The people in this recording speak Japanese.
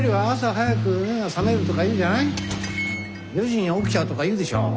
４時に起きちゃうとか言うでしょ。